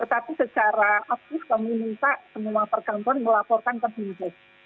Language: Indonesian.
tetapi secara aktif kami minta semua perkantoran melaporkan ke dinkes